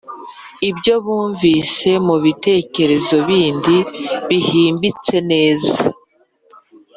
ibyo bumvise mu bitekerezo bindi bihimbitse neza,